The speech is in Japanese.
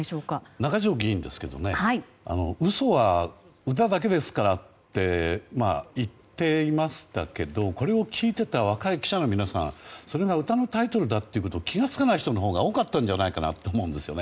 中条議員ですけど「うそ」は歌だけですからって言っていましたけどこれを聞いていた若い記者の皆さんそれが歌のタイトルだってこと気が付かない人のほうが多かったんじゃないかなと思うんですね。